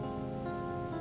aku ini lagi sedih man